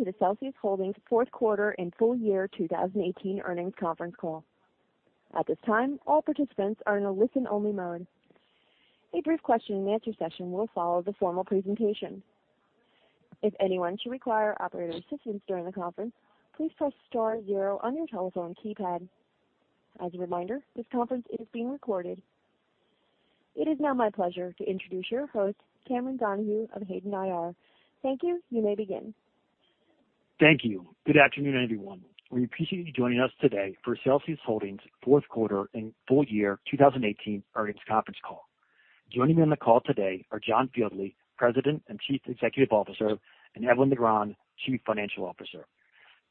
It is now my pleasure to introduce your host, Cameron Donahue of Hayden IR. Thank you. You may begin. Thank you. Good afternoon, everyone. We appreciate you joining us today for Celsius Holdings fourth quarter and full year 2018 earnings conference call. Joining me on the call today are John Fieldly, President and Chief Executive Officer, and Edwin Negron, Chief Financial Officer.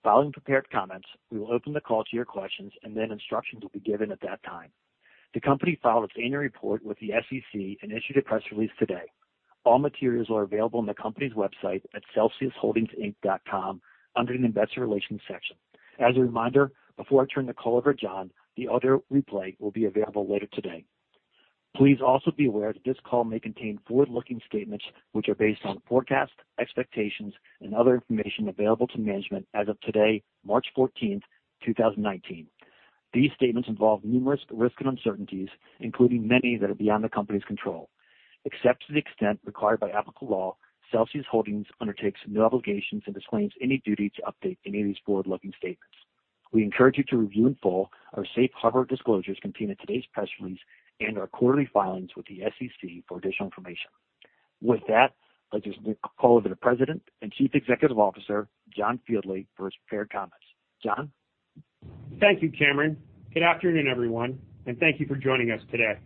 Following prepared comments, we will open the call to your questions, and then instructions will be given at that time. The company filed its annual report with the SEC and issued a press release today. All materials are available on the company's website at celsiusholdingsinc.com under the Investor Relations section. As a reminder, before I turn the call over to John, the audio replay will be available later today. Please also be aware that this call may contain forward-looking statements which are based on forecasts, expectations and other information available to management as of today, March 14th, 2019. These statements involve numerous risks and uncertainties, including many that are beyond the company's control. Except to the extent required by applicable law, Celsius Holdings undertakes no obligations and disclaims any duty to update any of these forward-looking statements. We encourage you to review in full our safe harbor disclosures contained in today's press release and our quarterly filings with the SEC for additional information. With that, I just call over to President and Chief Executive Officer, John Fieldly, for his prepared comments. John? Thank you, Cameron. Good afternoon, everyone, and thank you for joining us today.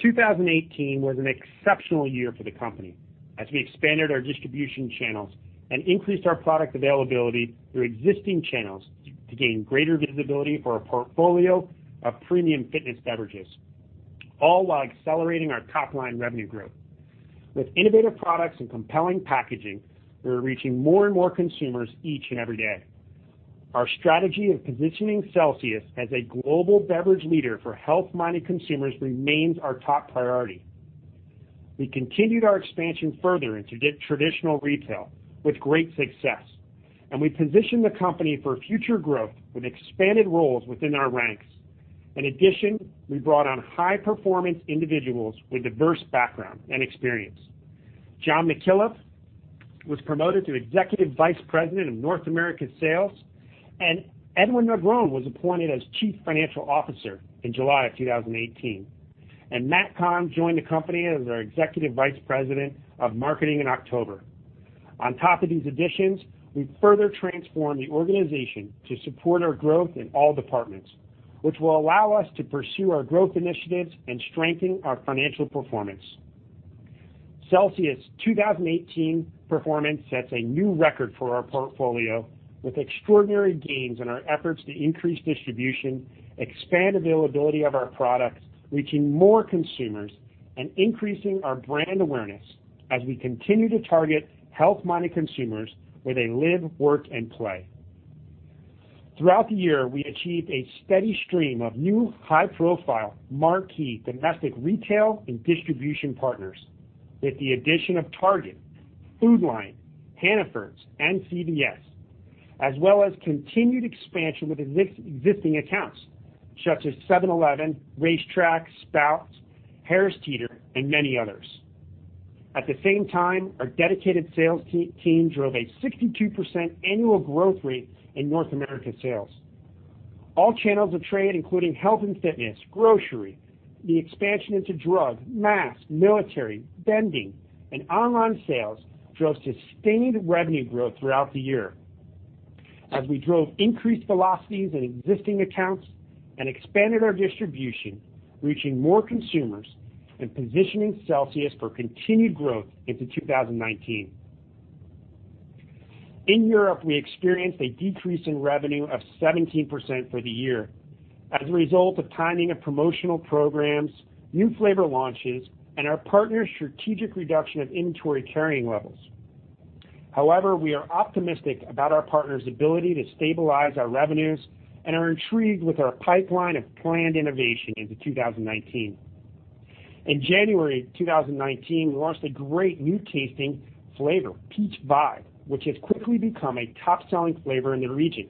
2018 was an exceptional year for the company as we expanded our distribution channels and increased our product availability through existing channels to gain greater visibility for our portfolio of premium fitness beverages, all while accelerating our top-line revenue growth. With innovative products and compelling packaging, we are reaching more and more consumers each and every day. Our strategy of positioning Celsius as a global beverage leader for health-minded consumers remains our top priority. We continued our expansion further into traditional retail with great success, and we positioned the company for future growth with expanded roles within our ranks. We brought on high-performance individuals with diverse background and experience. Jon McKillop was promoted to Executive Vice President of North America Sales, and Edwin Negron was appointed as Chief Financial Officer in July of 2018. Matt Kahn joined the company as our Executive Vice President of Marketing in October. On top of these additions, we further transformed the organization to support our growth in all departments, which will allow us to pursue our growth initiatives and strengthen our financial performance. Celsius 2018 performance sets a new record for our portfolio with extraordinary gains in our efforts to increase distribution, expand availability of our products, reaching more consumers, and increasing our brand awareness as we continue to target health-minded consumers where they live, work, and play. Throughout the year, we achieved a steady stream of new high-profile, marquee domestic retail and distribution partners with the addition of Target, Food Lion, Hannaford, and CVS, as well as continued expansion with existing accounts such as 7-Eleven, RaceTrac, Sprouts, Harris Teeter, and many others. At the same time, our dedicated sales team drove a 62% annual growth rate in North America sales. All channels of trade, including health and fitness, grocery, the expansion into drug, mass, military, vending, and online sales, drove sustained revenue growth throughout the year. As we drove increased velocities in existing accounts and expanded our distribution, reaching more consumers and positioning Celsius for continued growth into 2019. In Europe, we experienced a decrease in revenue of 17% for the year as a result of timing of promotional programs, new flavor launches, and our partner's strategic reduction of inventory carrying levels. We are optimistic about our partner's ability to stabilize our revenues and are intrigued with our pipeline of planned innovation into 2019. In January 2019, we launched a great new tasting flavor, Peach Vibe, which has quickly become a top-selling flavor in the region.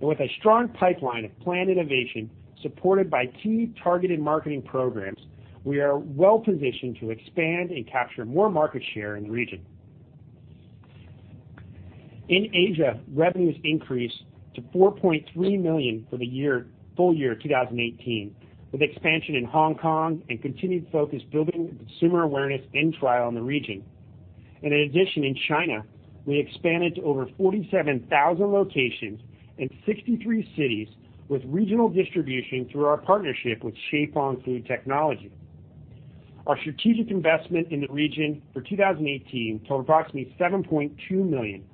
With a strong pipeline of planned innovation supported by key targeted marketing programs, we are well-positioned to expand and capture more market share in the region. In Asia, revenues increased to $4.3 million for the year, full year 2018, with expansion in Hong Kong and continued focus building consumer awareness and trial in the region. In addition, in China, we expanded to over 47,000 locations in 63 cities with regional distribution through our partnership with Qifeng Food Technology. Our strategic investment in the region for 2018 totaled approximately $7.2 million,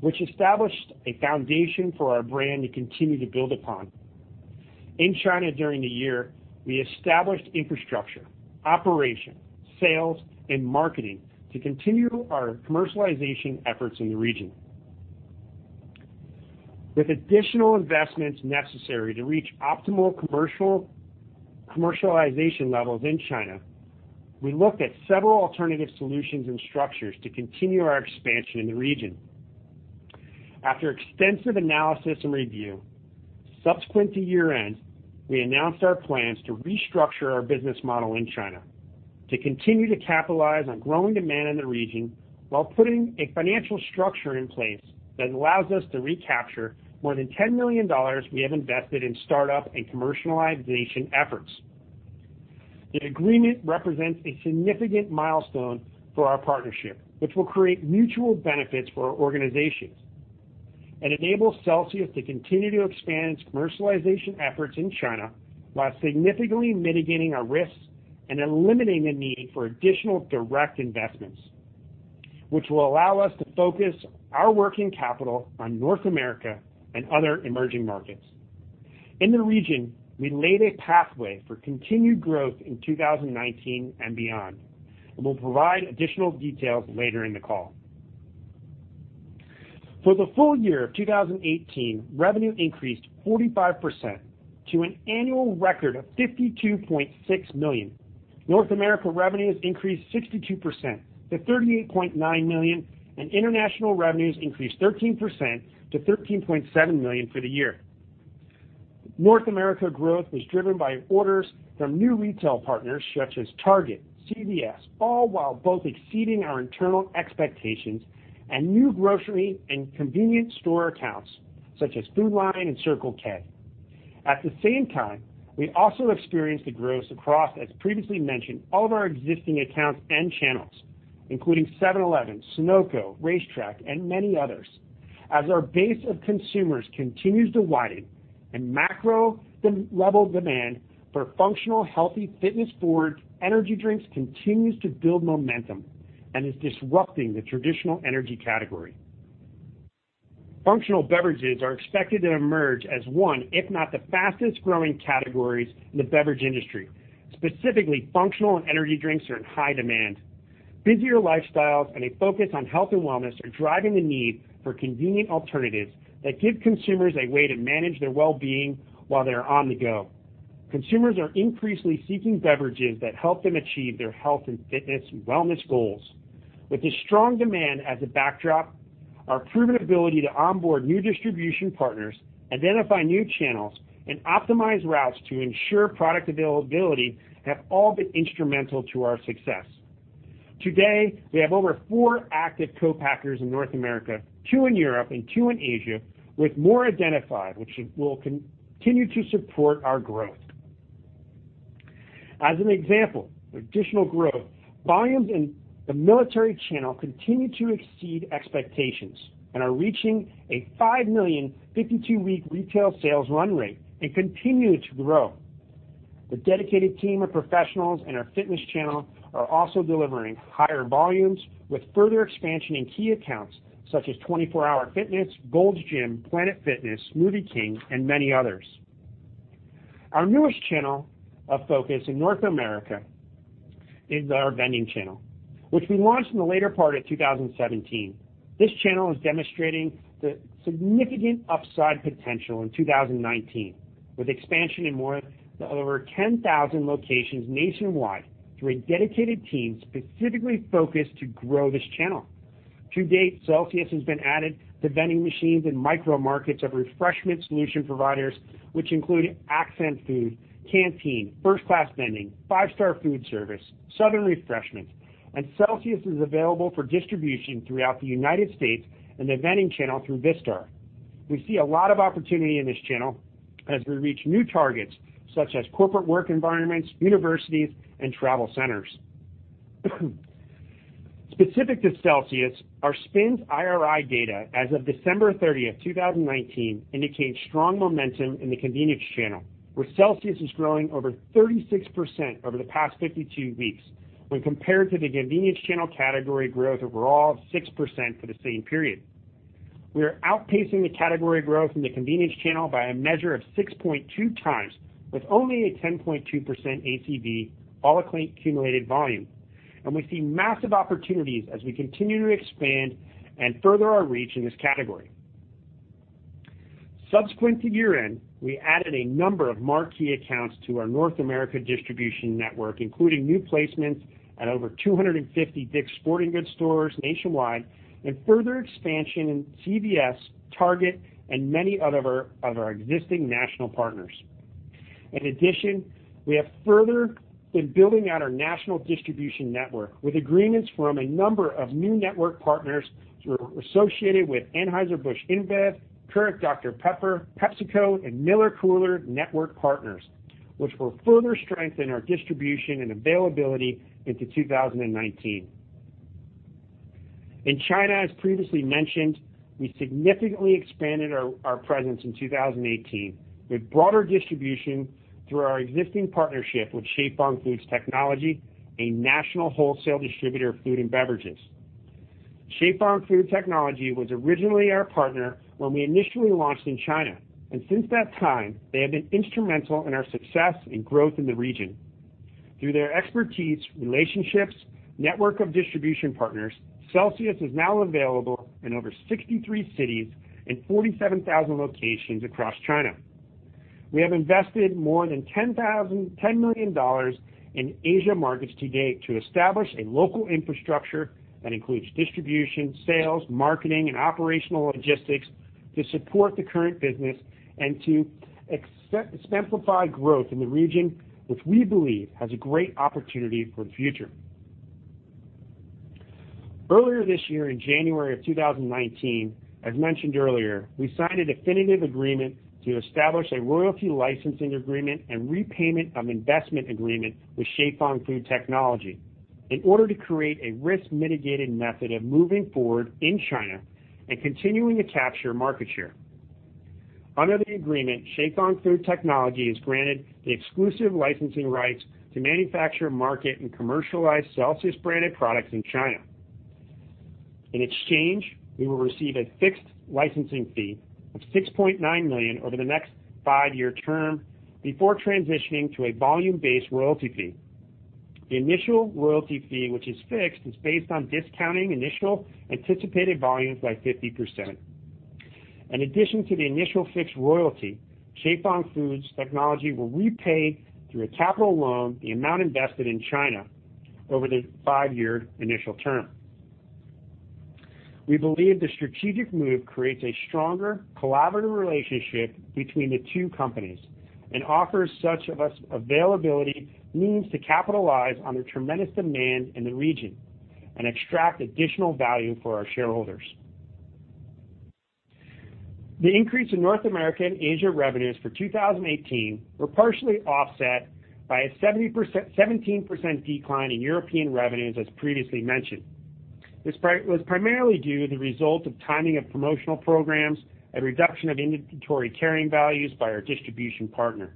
which established a foundation for our brand to continue to build upon. In China during the year, we established infrastructure, operation, sales, and marketing to continue our commercialization efforts in the region. With additional investments necessary to reach optimal commercialization levels in China, we looked at several alternative solutions and structures to continue our expansion in the region. After extensive analysis and review, subsequent to year-end, we announced our plans to restructure our business model in China to continue to capitalize on growing demand in the region while putting a financial structure in place that allows us to recapture more than $10 million we have invested in startup and commercialization efforts. The agreement represents a significant milestone for our partnership, which will create mutual benefits for our organizations and enable Celsius to continue to expand its commercialization efforts in China while significantly mitigating our risks and eliminating the need for additional direct investments, which will allow us to focus our working capital on North America and other emerging markets. In the region, we laid a pathway for continued growth in 2019 and beyond, and we'll provide additional details later in the call. For the full year of 2018, revenue increased 45% to an annual record of $52.6 million. North America revenues increased 62% to $38.9 million, and international revenues increased 13% to $13.7 million for the year. North America growth was driven by orders from new retail partners such as Target, CVS, all while both exceeding our internal expectations and new grocery and convenience store accounts such as Food Lion and Circle K. At the same time, we also experienced the growth across, as previously mentioned, all of our existing accounts and channels, including 7-Eleven, Sunoco, RaceTrac, and many others. As our base of consumers continues to widen and macro level demand for functional, healthy, fitness-forward energy drinks continues to build momentum and is disrupting the traditional energy category. Functional beverages are expected to emerge as one, if not the fastest-growing categories in the beverage industry. Specifically, functional and energy drinks are in high demand. Busier lifestyles and a focus on health and wellness are driving the need for convenient alternatives that give consumers a way to manage their well-being while they're on the go. Consumers are increasingly seeking beverages that help them achieve their health and fitness and wellness goals. With this strong demand as a backdrop, our proven ability to onboard new distribution partners, identify new channels, and optimize routes to ensure product availability have all been instrumental to our success. Today, we have over four active co-packers in North America, two in Europe, and two in Asia, with more identified, which will continue to support our growth. As an example of additional growth, volumes in the military channel continue to exceed expectations and are reaching a $5 million 52-week retail sales run rate and continue to grow. The dedicated team of professionals in our fitness channel are also delivering higher volumes with further expansion in key accounts such as 24 Hour Fitness, Gold's Gym, Planet Fitness, Smoothie King, and many others. Our newest channel of focus in North America is our vending channel, which we launched in the later part of 2017. This channel is demonstrating the significant upside potential in 2019, with expansion in more than over 10,000 locations nationwide through a dedicated team specifically focused to grow this channel. To date, Celsius has been added to vending machines and micro markets of refreshment solution providers which include Accent Food, Canteen, First Class Vending, Five Star Food Service, Southern Refreshments, and Celsius is available for distribution throughout the United States and the vending channel through Vistar. We see a lot of opportunity in this channel as we reach new targets such as corporate work environments, universities, and travel centers. Specific to Celsius, our SPINS IRI data as of December 30, 2019 indicates strong momentum in the convenience channel where Celsius is growing over 36% over the past 52 weeks when compared to the convenience channel category growth overall of 6% for the same period. We are outpacing the category growth in the convenience channel by a measure of 6.2x, with only a 10.2% ACV, All Commodity Volume. We see massive opportunities as we continue to expand and further our reach in this category. Subsequent to year-end, we added a number of marquee accounts to our North America distribution network, including new placements at over 250 Dick's Sporting Goods stores nationwide and further expansion in CVS, Target, and many other of our existing national partners. We have further been building out our national distribution network with agreements from a number of new network partners who are associated with Anheuser-Busch InBev, Keurig Dr Pepper, PepsiCo, and MillerCoors network partners, which will further strengthen our distribution and availability into 2019. In China, as previously mentioned, we significantly expanded our presence in 2018. We've broader distribution through our existing partnership with Qifeng Food Technology, a national wholesale distributor of food and beverages. Qifeng Food Technology was originally our partner when we initially launched in China, since that time, they have been instrumental in our success and growth in the region. Through their expertise, relationships, network of distribution partners, Celsius is now available in over 63 cities and 47,000 locations across China. We have invested more than $10 million in Asia markets to date to establish a local infrastructure that includes distribution, sales, marketing, and operational logistics to support the current business and to exemplify growth in the region, which we believe has a great opportunity for the future. Earlier this year, in January of 2019, as mentioned earlier, we signed a definitive agreement to establish a royalty licensing agreement and repayment of investment agreement with Qifeng Food Technology in order to create a risk-mitigated method of moving forward in China and continuing to capture market share. Under the agreement, Qifeng Food Technology is granted the exclusive licensing rights to manufacture, market, and commercialize Celsius-branded products in China. In exchange, we will receive a fixed licensing fee of $6.9 million over the next five-year term before transitioning to a volume-based royalty fee. The initial royalty fee, which is fixed, is based on discounting initial anticipated volumes by 50%. In addition to the initial fixed royalty, Qifeng Food Technology will repay, through a capital loan, the amount invested in China over the five-year initial term. We believe the strategic move creates a stronger collaborative relationship between the two companies and offers such availability means to capitalize on the tremendous demand in the region and extract additional value for our shareholders. The increase in North America and Asia revenues for 2018 were partially offset by a 17% decline in European revenues, as previously mentioned. This was primarily due to the result of timing of promotional programs and reduction of inventory carrying values by our distribution partner.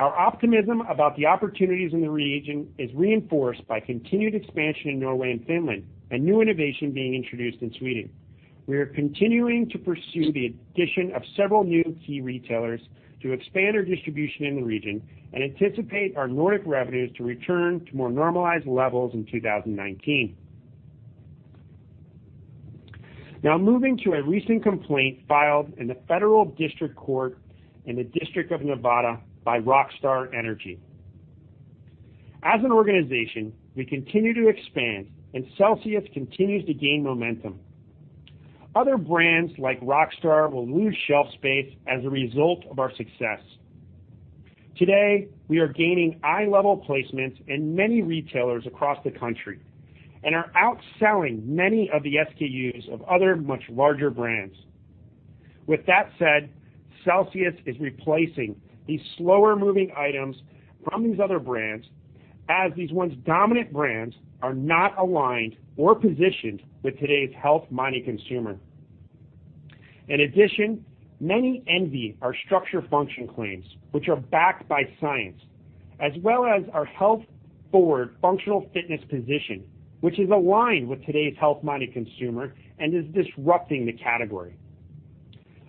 Our optimism about the opportunities in the region is reinforced by continued expansion in Norway and Finland and new innovation being introduced in Sweden. We are continuing to pursue the addition of several new key retailers to expand our distribution in the region and anticipate our Nordic revenues to return to more normalized levels in 2019. Now moving to a recent complaint filed in the Federal District Court for the District of Nevada by Rockstar Energy. As an organization, we continue to expand, and Celsius continues to gain momentum. Other brands like Rockstar will lose shelf space as a result of our success. Today, we are gaining eye-level placements in many retailers across the country and are outselling many of the SKUs of other much larger brands. With that said, Celsius is replacing these slower-moving items from these other brands, as these once dominant brands are not aligned or positioned with today's health-minded consumer. Many envy our structure function claims, which are backed by science, as well as our health-forward functional fitness position, which is aligned with today's health-minded consumer and is disrupting the category.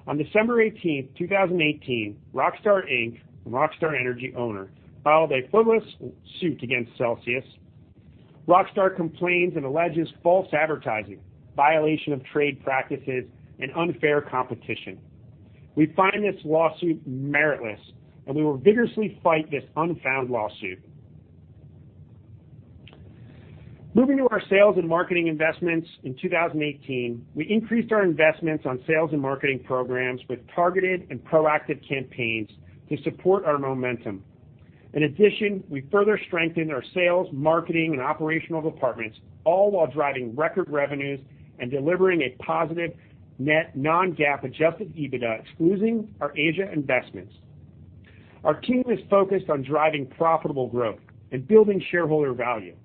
On December 18, 2018, Rockstar Inc., the Rockstar Energy owner, filed a frivolous suit against Celsius. Rockstar complains and alleges false advertising, violation of trade practices, and unfair competition. We find this lawsuit meritless, and we will vigorously fight this unfounded lawsuit. Moving to our sales and marketing investments in 2018, we increased our investments on sales and marketing programs with targeted and proactive campaigns to support our momentum. In addition, we further strengthened our sales, marketing, and operational departments, all while driving record revenues and delivering a positive net non-GAAP adjusted EBITDA, excluding our Asia investments. Our team is focused on driving profitable growth and building shareholder value.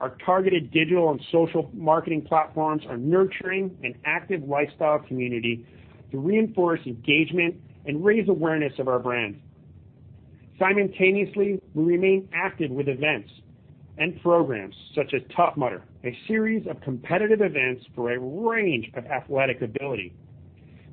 Our targeted digital and social marketing platforms are nurturing an active lifestyle community to reinforce engagement and raise awareness of our brand. Simultaneously, we remain active with events and programs such as Tough Mudder, a series of competitive events for a range of athletic ability.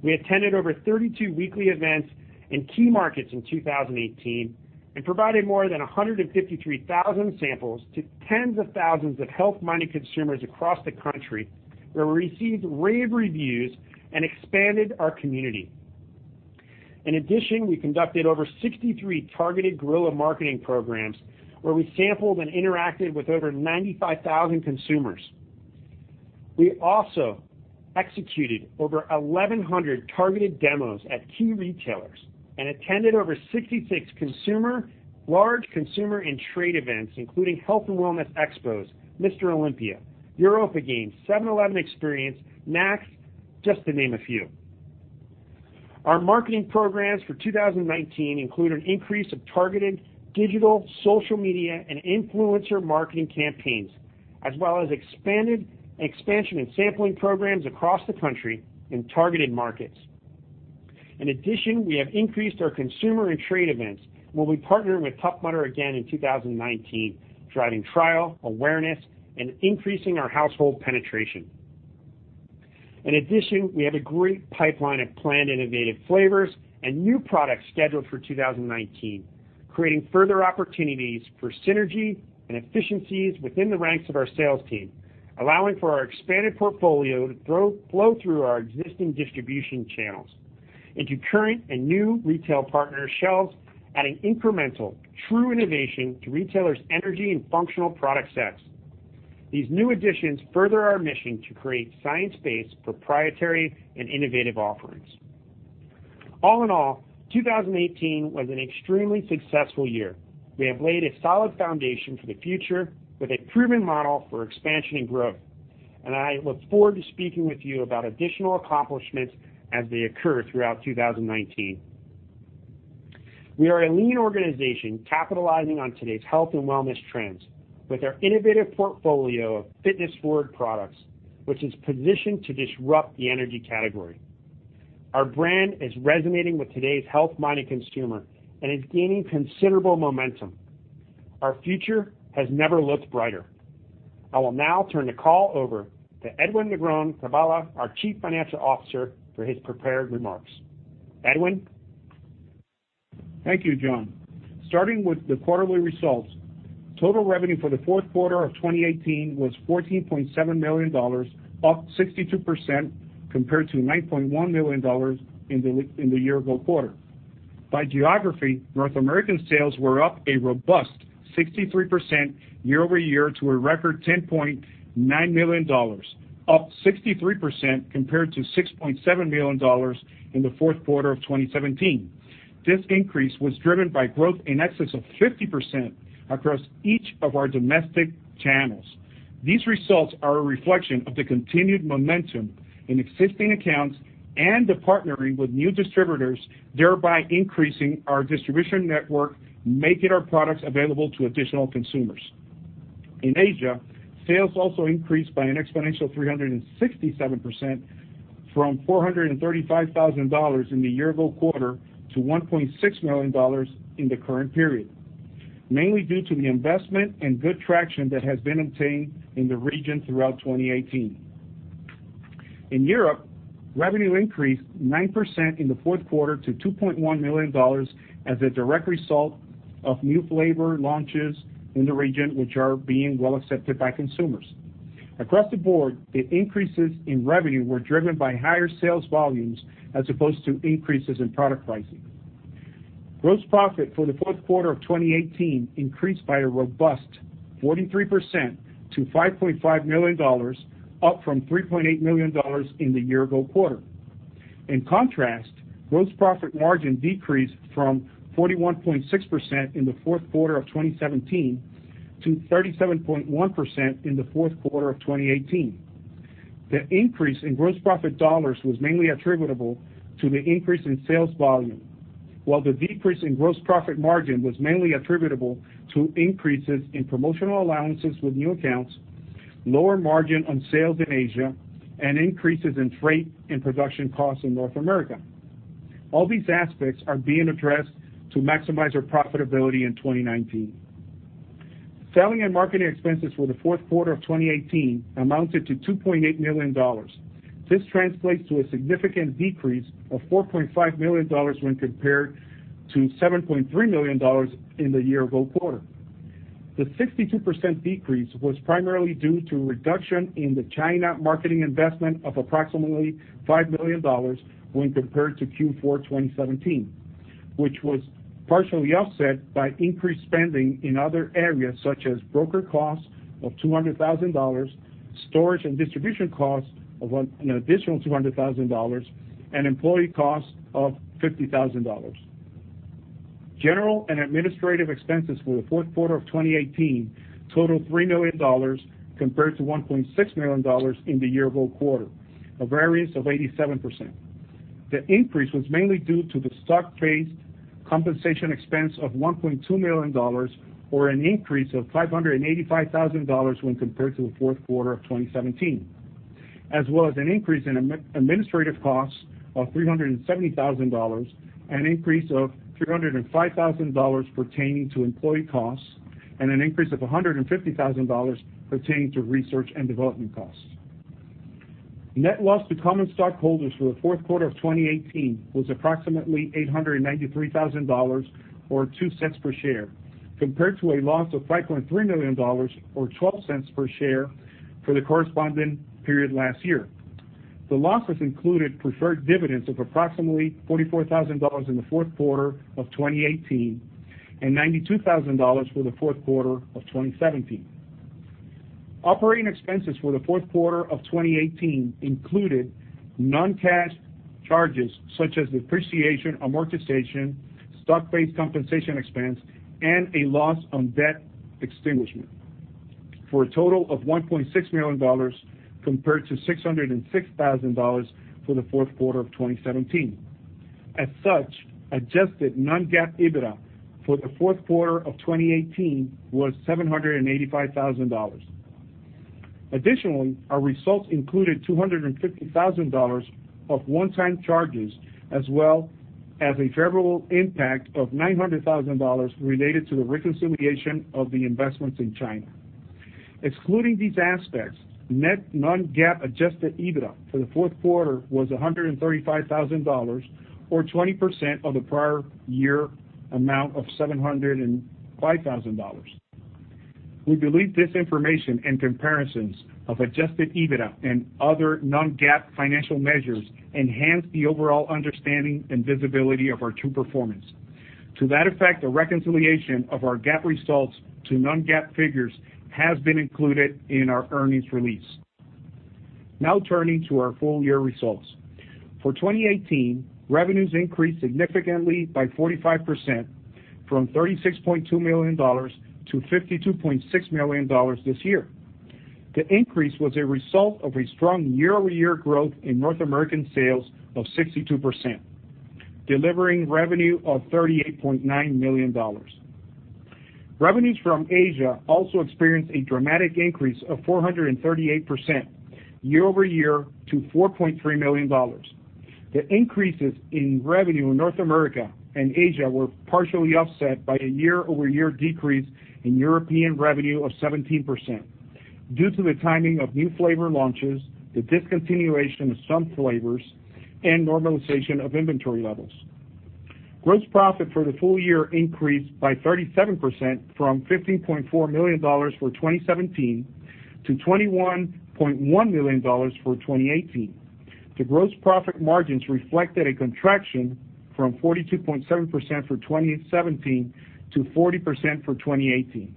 We attended over 32 weekly events in key markets in 2018 and provided more than 153,000 samples to tens of thousands of health-minded consumers across the country, where we received rave reviews and expanded our community. In addition, we conducted over 63 targeted guerrilla marketing programs where we sampled and interacted with over 95,000 consumers. We also executed over 1,100 targeted demos at key retailers and attended over 66 large consumer and trade events, including Health and Wellness Expos, Mr. Olympia, Europa Games, 7-Eleven Experience, NACS, just to name a few. Our marketing programs for 2019 include an increase of targeted digital, social media, and influencer marketing campaigns, as well as an expansion in sampling programs across the country in targeted markets. We have increased our consumer and trade events. We'll be partnering with Tough Mudder again in 2019, driving trial, awareness, and increasing our household penetration. We have a great pipeline of planned innovative flavors and new products scheduled for 2019, creating further opportunities for synergy and efficiencies within the ranks of our sales team, allowing for our expanded portfolio to flow through our existing distribution channels into current and new retail partner shelves, adding incremental true innovation to retailers energy and functional product sets. These new additions further our mission to create science-based, proprietary and innovative offerings. All in all, 2018 was an extremely successful year. We have laid a solid foundation for the future with a proven model for expansion and growth, and I look forward to speaking with you about additional accomplishments as they occur throughout 2019. We are a lean organization capitalizing on today's health and wellness trends with our innovative portfolio of fitness forward products, which is positioned to disrupt the energy category. Our brand is resonating with today's health-minded consumer and is gaining considerable momentum. Our future has never looked brighter. I will now turn the call over to Edwin Negron-Carballo, our Chief Financial Officer, for his prepared remarks. Edwin. Thank you, John. Starting with the quarterly results. Total revenue for the fourth quarter of 2018 was $14.7 million, up 62% compared to $9.1 million in the year-ago quarter. By geography, North American sales were up a robust 63% year-over-year to a record $10.9 million, up 63% compared to $6.7 million in the fourth quarter of 2017. This increase was driven by growth in excess of 50% across each of our domestic channels. These results are a reflection of the continued momentum in existing accounts and the partnering with new distributors, thereby increasing our distribution network, making our products available to additional consumers. In Asia, sales also increased by an exponential 367% from $435,000 in the year-ago quarter to $1.6 million in the current period, mainly due to the investment and good traction that has been obtained in the region throughout 2018. In Europe, revenue increased 9% in the fourth quarter to $2.1 million as a direct result of new flavor launches in the region, which are being well accepted by consumers. Across the board, the increases in revenue were driven by higher sales volumes as opposed to increases in product pricing. Gross profit for the fourth quarter of 2018 increased by a robust 43% to $5.5 million, up from $3.8 million in the year-ago quarter. In contrast, gross profit margin decreased from 41.6% in the fourth quarter of 2017 to 37.1% in the fourth quarter of 2018. The increase in gross profit dollars was mainly attributable to the increase in sales volume, while the decrease in gross profit margin was mainly attributable to increases in promotional allowances with new accounts, lower margin on sales in Asia, and increases in freight and production costs in North America. All these aspects are being addressed to maximize our profitability in 2019. Selling and marketing expenses for the fourth quarter of 2018 amounted to $2.8 million. This translates to a significant decrease of $4.5 million when compared to $7.3 million in the year-ago quarter. The 62% decrease was primarily due to reduction in the China marketing investment of approximately $5 million when compared to Q4 2017, which was partially offset by increased spending in other areas such as broker costs of $200,000, storage and distribution costs of an additional $200,000 and employee costs of $50,000. General and administrative expenses for the fourth quarter of 2018 totaled $3 million compared to $1.6 million in the year-ago quarter, a variance of 87%. The increase was mainly due to the stock-based compensation expense of $1.2 million, or an increase of $585,000 when compared to the fourth quarter of 2017. As well as an increase in administrative costs of $370,000, an increase of $305,000 pertaining to employee costs, and an increase of $150,000 pertaining to research and development costs. Net loss to common stockholders for the fourth quarter of 2018 was approximately $893,000, or $0.02 per share, compared to a loss of $5.3 million or $0.12 per share for the corresponding period last year. The losses included preferred dividends of approximately $44,000 in the fourth quarter of 2018 and $92,000 for the fourth quarter of 2017. Operating expenses for the fourth quarter of 2018 included non-cash charges such as depreciation, amortization, stock-based compensation expense, and a loss on debt extinguishment for a total of $1.6 million compared to $606,000 for the fourth quarter of 2017. Adjusted non-GAAP EBITDA for the fourth quarter of 2018 was $785,000. Additionally, our results included $250,000 of one-time charges as well as a favorable impact of $900,000 related to the reconciliation of the investments in China. Excluding these aspects, net non-GAAP adjusted EBITDA for the fourth quarter was $135,000 or 20% of the prior year amount of $705,000. We believe this information and comparisons of adjusted EBITDA and other non-GAAP financial measures enhance the overall understanding and visibility of our true performance. To that effect, a reconciliation of our GAAP results to non-GAAP figures has been included in our earnings release. Now turning to our full year results. For 2018, revenues increased significantly by 45% from $36.2 million to $52.6 million this year. The increase was a result of a strong year-over-year growth in North American sales of 62%, delivering revenue of $38.9 million. Revenues from Asia also experienced a dramatic increase of 438% year-over-year to $4.3 million. The increases in revenue in North America and Asia were partially offset by a year-over-year decrease in European revenue of 17% due to the timing of new flavor launches, the discontinuation of some flavors, and normalization of inventory levels. Gross profit for the full year increased by 37% from $15.4 million for 2017 to $21.1 million for 2018. The gross profit margins reflected a contraction from 42.7% for 2017 to 40% for 2018.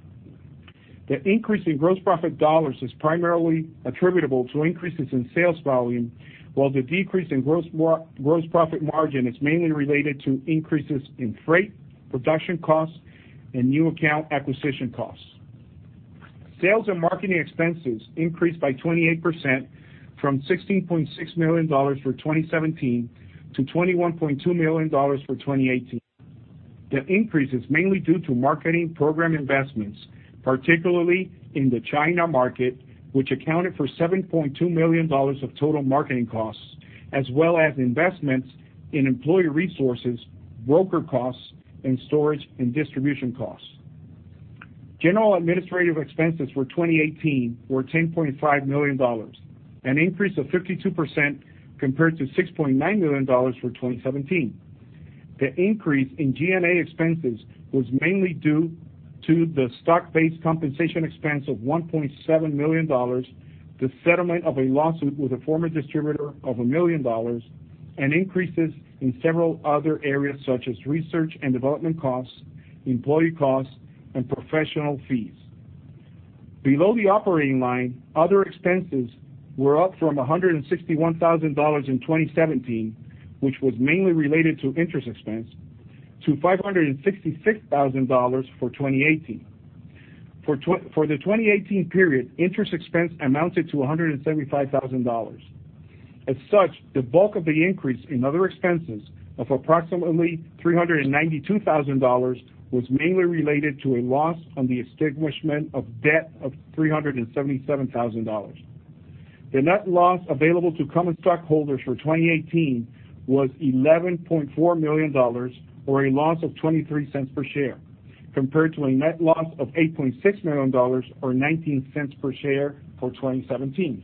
The increase in gross profit dollars is primarily attributable to increases in sales volume, while the decrease in gross profit margin is mainly related to increases in freight, production costs, and new account acquisition costs. Sales and marketing expenses increased by 28% from $16.6 million for 2017 to $21.2 million for 2018. The increase is mainly due to marketing program investments, particularly in the China market, which accounted for $7.2 million of total marketing costs, as well as investments in employee resources, broker costs, and storage and distribution costs. General administrative expenses for 2018 were $10.5 million, an increase of 52% compared to $6.9 million for 2017. The increase in G&A expenses was mainly due to the stock-based compensation expense of $1.7 million, the settlement of a lawsuit with a former distributor of $1 million, and increases in several other areas such as research and development costs, employee costs, and professional fees. Below the operating line, other expenses were up from $161,000 in 2017, which was mainly related to interest expense, to $566,000 for 2018. For the 2018 period, interest expense amounted to $175,000. As such, the bulk of the increase in other expenses of approximately $392,000 was mainly related to a loss on the extinguishment of debt of $377,000. The net loss available to common stockholders for 2018 was $11.4 million or a loss of $0.23 per share, compared to a net loss of $8.6 million or $0.19 per share for 2017.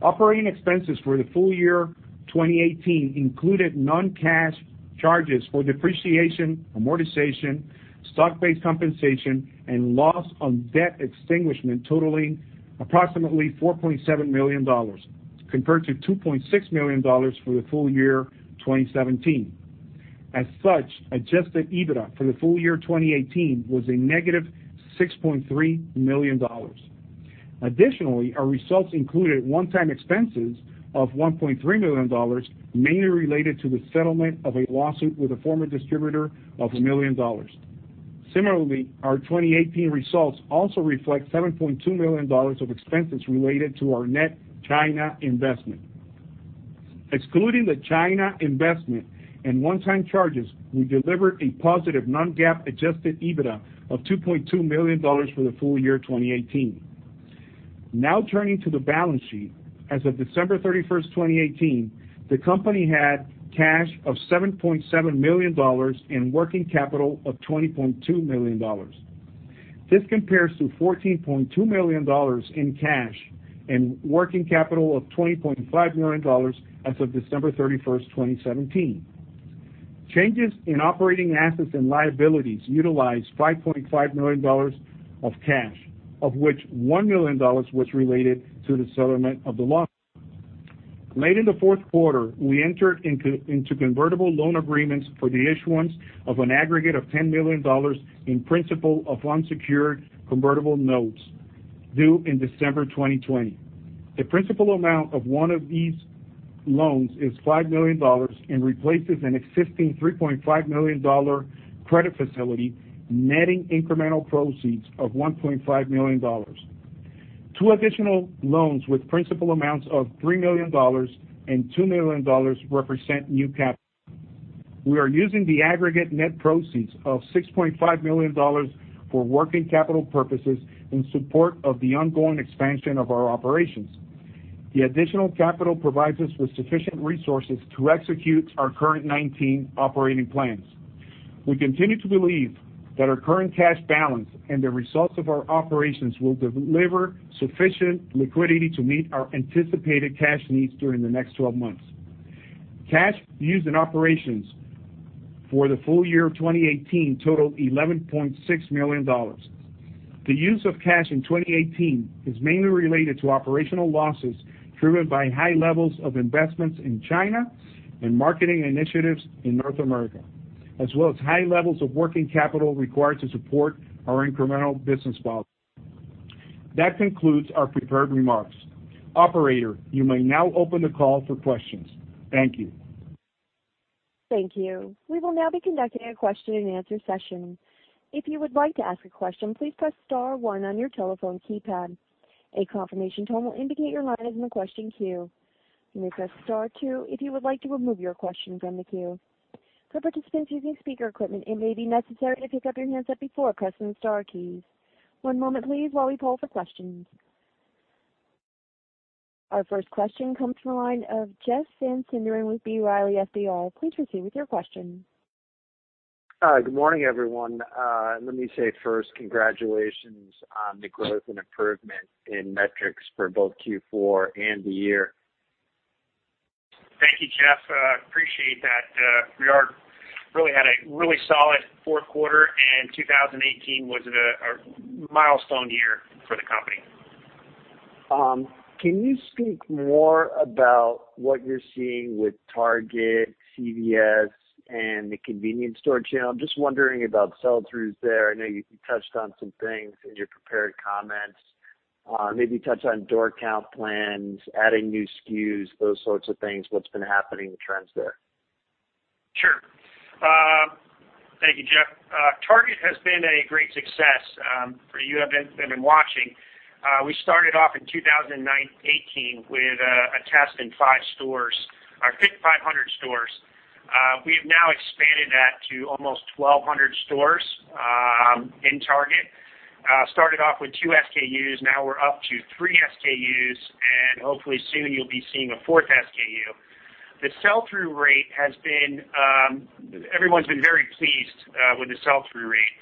Operating expenses for the full year 2018 included non-cash charges for depreciation, amortization, stock-based compensation, and loss on debt extinguishment totaling approximately $4.7 million compared to $2.6 million for the full year 2017. As such, adjusted EBITDA for the full year 2018 was a -$6.3 million. Additionally, our results included one-time expenses of $1.3 million, mainly related to the settlement of a lawsuit with a former distributor of $1 million. Similarly, our 2018 results also reflect $7.2 million of expenses related to our net China investment. Excluding the China investment and one-time charges, we delivered a positive non-GAAP adjusted EBITDA of $2.2 million for the full year 2018. Now turning to the balance sheet. As of December 31st, 2018, the company had cash of $7.7 million in working capital of $20.2 million. This compares to $14.2 million in cash and working capital of $20.5 million as of December 31st, 2017. Changes in operating assets and liabilities utilized $5.5 million of cash, of which $1 million was related to the settlement of the lawsuit. Late in the fourth quarter, we entered into convertible loan agreements for the issuance of an aggregate of $10 million in principal of unsecured convertible notes due in December 2020. The principal amount of one of these loans is $5 million and replaces an existing $3.5 million credit facility, netting incremental proceeds of $1.5 million. Two additional loans with principal amounts of $3 million and $2 million represent new capital. We are using the aggregate net proceeds of $6.5 million for working capital purposes in support of the ongoing expansion of our operations. The additional capital provides us with sufficient resources to execute our current 2019 operating plans. We continue to believe that our current cash balance and the results of our operations will deliver sufficient liquidity to meet our anticipated cash needs during the next 12 months. Cash used in operations for the full year of 2018 totaled $11.6 million. The use of cash in 2018 is mainly related to operational losses driven by high levels of investments in China and marketing initiatives in North America, as well as high levels of working capital required to support our incremental business model. That concludes our prepared remarks. Operator, you may now open the call for questions. Thank you. Our first question comes from the line of Jeff Van Sinderen with B. Riley FBR. Please proceed with your question. Hi, good morning, everyone. Let me say first, congratulations on the growth and improvement in metrics for both Q4 and the year. Thank you, Jeff. appreciate that. really had a really solid fourth quarter and 2018 was a milestone year for the company. Can you speak more about what you're seeing with Target, CVS, and the convenience store channel? I'm just wondering about sell-throughs there. I know you touched on some things in your prepared comments. Maybe touch on door count plans, adding new SKUs, those sorts of things, what's been happening in trends there. Sure. Thank you, Jeff. Target has been a great success for you who have been watching. We started off in 2018 with a test in five stores, I think 500 stores. We have now expanded that to almost 1,200 stores in Target. Started off with two SKUs, now we're up to three SKUs, and hopefully soon you'll be seeing a fourth SKU. Everyone's been very pleased with the sell-through rate.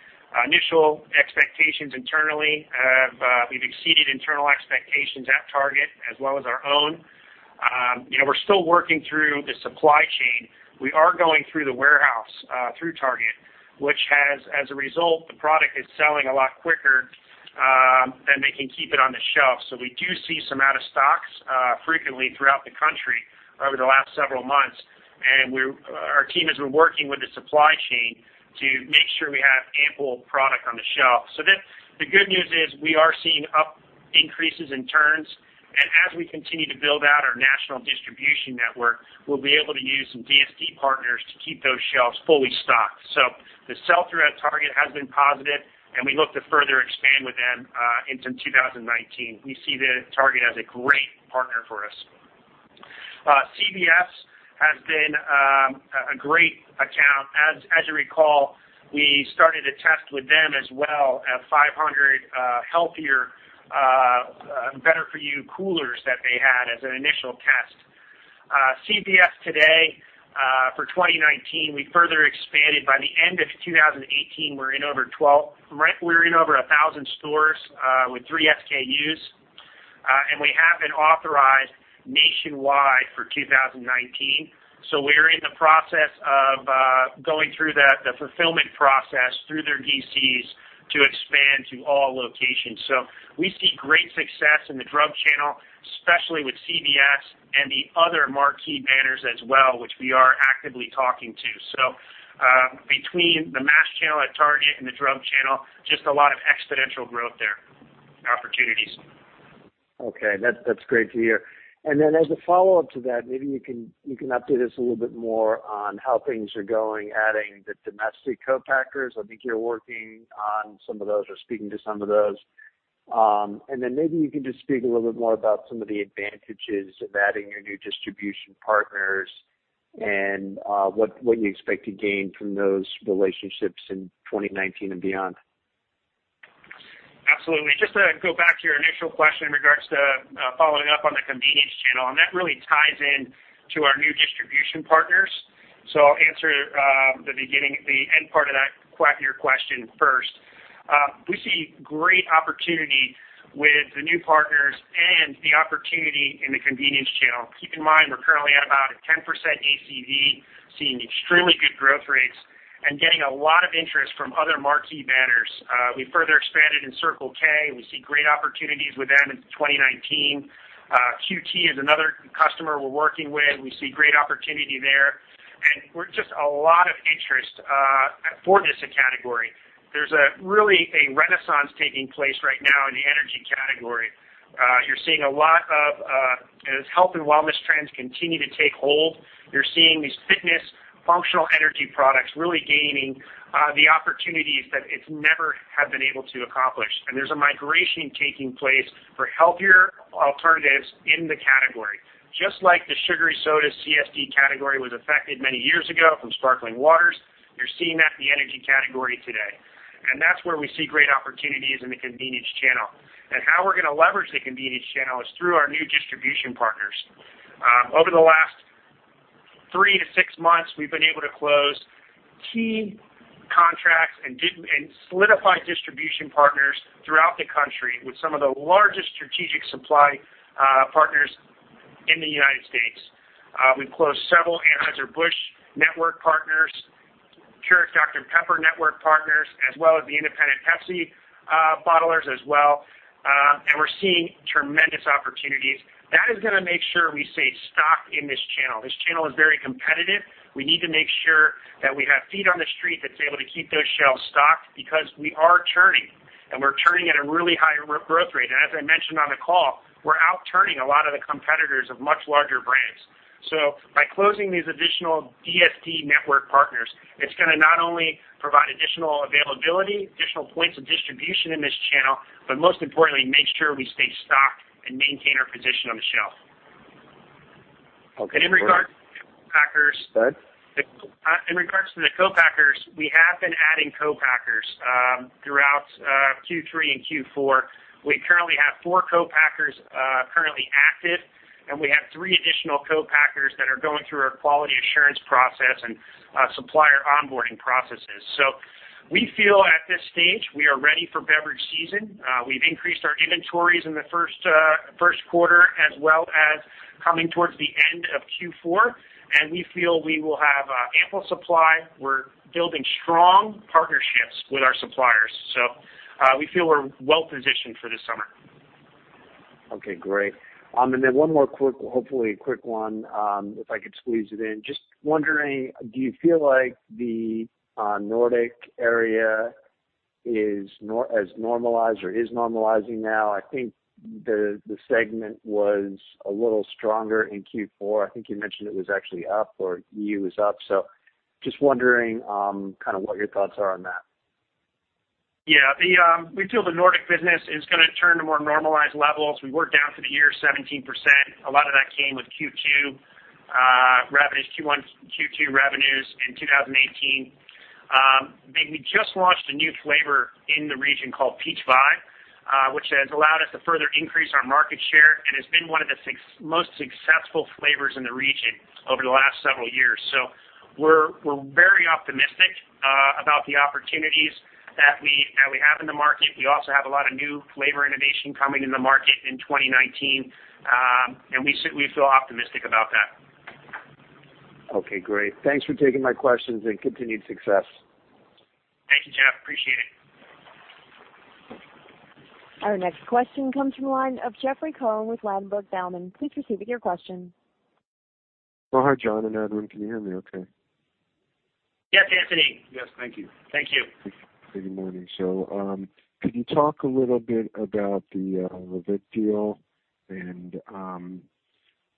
We've exceeded internal expectations at Target as well as our own. You know, we're still working through the supply chain. We are going through the warehouse through Target, which has, as a result, the product is selling a lot quicker than they can keep it on the shelf. We do see some out of stocks frequently throughout the country over the last several months. Our team has been working with the supply chain to make sure we have ample product on the shelf. The good news is we are seeing up increases in turns, and as we continue to build out our national distribution network, we'll be able to use some DSD partners to keep those shelves fully stocked. The sell-through at Target has been positive, and we look to further expand with them into 2019. We see the Target as a great partner for us. CVS has been a great account. As you recall, we started a test with them as well at 500 healthier, better for you coolers that they had as an initial test. CVS today, for 2019, we further expanded. By the end of 2018, we're in over 1,000 stores with three SKUs, and we have been authorized nationwide for 2019. We're in the process of going through the fulfillment process through their DCs to expand to all locations. We see great success in the drug channel, especially with CVS and the other marquee banners as well, which we are actively talking to. Between the mass channel at Target and the drug channel, just a lot of exponential growth there, opportunities. Okay. That's great to hear. As a follow-up to that, maybe you can update us a little bit more on how things are going, adding the domestic co-packers. I think you're working on some of those or speaking to some of those. Maybe you can just speak a little bit more about some of the advantages of adding your new distribution partners, what you expect to gain from those relationships in 2019 and beyond. Absolutely. Just to go back to your initial question in regards to following up on the convenience channel, and that really ties in to our new distribution partners. I'll answer the end part of your question first. We see great opportunity with the new partners and the opportunity in the convenience channel. Keep in mind, we're currently at about a 10% ACV, seeing extremely good growth rates and getting a lot of interest from other marquee banners. We further expanded in Circle K. We see great opportunities with them in 2019. QT is another customer we're working with. We see great opportunity there. We're just a lot of interest for this category. There's a really a renaissance taking place right now in the energy category. You're seeing a lot of, as health and wellness trends continue to take hold, you're seeing these fitness, functional energy products really gaining the opportunities that it's never have been able to accomplish. There's a migration taking place for healthier alternatives in the category. Just like the sugary soda CSD category was affected many years ago from sparkling waters. We're seeing that in the energy category today, and that's where we see great opportunities in the convenience channel. How we're gonna leverage the convenience channel is through our new distribution partners. Over the last three to six months, we've been able to close key contracts and solidify distribution partners throughout the country with some of the largest strategic supply partners in the United States. We've closed several Anheuser-Busch network partners, Keurig Dr Pepper network partners, as well as the independent Pepsi bottlers as well. We're seeing tremendous opportunities. That is gonna make sure we stay stocked in this channel. This channel is very competitive. We need to make sure that we have feet on the street that's able to keep those shelves stocked because we are turning, and we're turning at a really high growth rate. As I mentioned on the call, we're out-turning a lot of the competitors of much larger brands. By closing these additional DSD network partners, it's gonna not only provide additional availability, additional points of distribution in this channel, but most importantly, make sure we stay stocked and maintain our position on the shelf. Okay. In regard to packers. Go ahead. In regards to the co-packers, we have been adding co-packers throughout Q3 and Q4. We currently have four co-packers currently active, and we have three additional co-packers that are going through our quality assurance process and supplier onboarding processes. We feel at this stage we are ready for beverage season. We've increased our inventories in the first quarter, as well as coming towards the end of Q4, and we feel we will have ample supply. We're building strong partnerships with our suppliers. We feel we're well positioned for this summer. Okay, great. One more quick hopefully a quick one, if I could squeeze it in. Just wondering, do you feel like the Nordic area has normalized or is normalizing now? I think the segment was a little stronger in Q4. I think you mentioned it was actually up or EU is up. Just wondering, kind of what your thoughts are on that. We feel the Nordic business is gonna turn to more normalized levels. We were down for the year 17%. A lot of that came with Q2 revenues, Q1, Q2 revenues in 2018. We just launched a new flavor in the region called Peach Vibe, which has allowed us to further increase our market share and has been one of the most successful flavors in the region over the last several years. We're very optimistic about the opportunities that we, that we have in the market. We also have a lot of new flavor innovation coming in the market in 2019, we feel optimistic about that. Okay, great. Thanks for taking my questions and continued success. Thank you, Jeff. Appreciate it. Our next question comes from the line of Jeffrey Cohen with Ladenburg Thalmann. Please proceed with your question. Oh, hi, John and everyone. Can you hear me okay? Yes, Anthony. Yes. Thank you. Thank you. Good morning. Could you talk a little bit about the Lavit deal and